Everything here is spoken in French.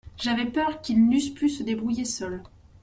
J’avais peur qu’ils n’eussent pu se débrouiller seuls.